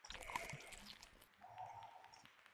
Tenía su capital en la ciudad de Samarcanda.